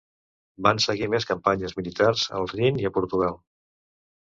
Van seguir més campanyes militars al Rin i a Portugal.